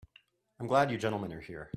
I'm glad you gentlemen are here.